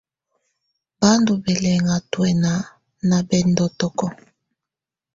Bà ndù bɛlɛ̀ŋa tuɛna na bɛ̀ndɔ̀tɔkɔ.